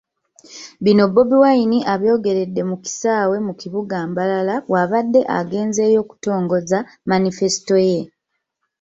Bino Bobi Wine abyogeredde mu kisaawe mu kibuga Mbarara bw'abadde agenzeeyo okutongoza Manifesito ye.